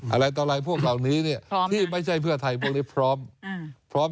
อะไรต่อลายพวกเหล่านี้ที่ไม่ใช่เพื่อไทยพวกนี้พร้อม